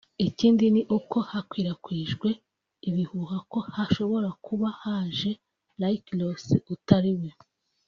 Ikindi ni uko hakwirakwijwe ibihuha ko hashobora kuba haje Rick Ross utariwe